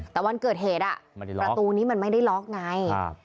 แต่วันเกิดเหตุประตูนี้มันไม่ได้ล็อกไง